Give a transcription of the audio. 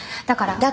だから。